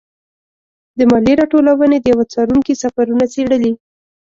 د مالیې راټولونې د یوه څارونکي سفرونه څېړلي.